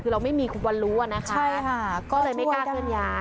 คือเราไม่มีควรรู้อะนะคะก็เลยไม่กล้าเคลื่อนย้ายใช่ค่ะ